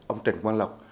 ông trần quang lộc